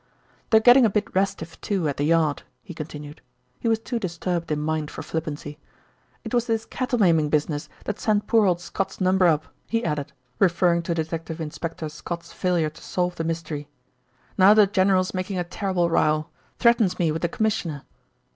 "They're getting a bit restive, too, at the Yard," he continued. He was too disturbed in mind for flippancy. "It was this cattle maiming business that sent poor old Scott's number up," he added, referring to Detective Inspector Scott's failure to solve the mystery. "Now the general's making a terrible row. Threatens me with the Commissioner."